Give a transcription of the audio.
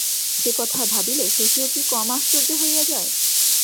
সেকথা ভাবিলে শশীও কি কম আশ্চর্য হইয়া যায়।